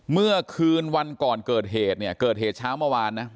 เมื่อคืนวันก่อนเกิดเหตุเนี่ยเกิดเหตุเช้าเมื่อวานนะ